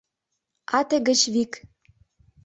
Ате гыч вик.